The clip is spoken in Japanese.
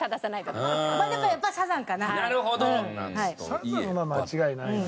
サザンは間違いないよな。